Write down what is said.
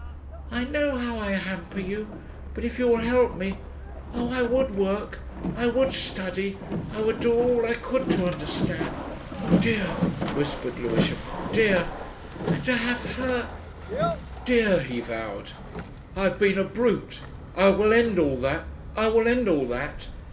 "I know how I hamper you. But if you will help me. Oh! I would work, I would study. I would do all I could to understand." "Dear," whispered Lewisham. "Dear" "And to have her " "Dear," he vowed, "I have been a brute. I will end all that. I will end all that."